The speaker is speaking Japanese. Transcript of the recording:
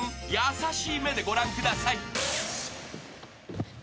優しい目でご覧ください］